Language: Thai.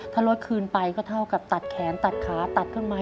ถ้ารถคืนไปก็เท่ากับตัดแขนตัดขาตัดเครื่องไม้